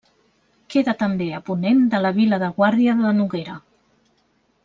Queda també a ponent de la vila de Guàrdia de Noguera.